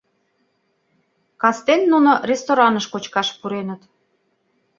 Кастен нуно рестораныш кочкаш пуреныт.